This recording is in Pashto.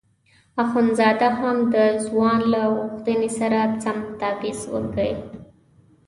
اخندزاده هم د ځوان له غوښتنې سره سم تاویز وکیښ.